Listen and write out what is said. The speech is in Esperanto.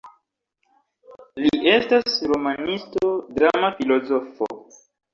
Li estas romanisto, drama filozofo.